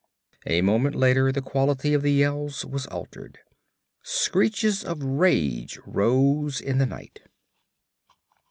A moment later the quality of the yells was altered. Screeches of rage rose in the night.